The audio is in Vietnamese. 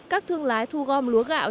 các thương lái thu gom lúa gạo